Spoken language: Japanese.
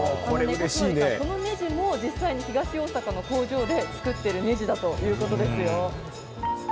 このねじも実際に東大阪の工場で作ってるねじだということですよ